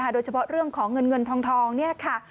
โดยเฉพาะเรื่องของเงินเงินทองนี่ค่ะ